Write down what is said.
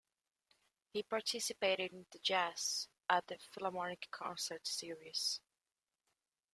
He participated in the Jazz at the Philharmonic concert series.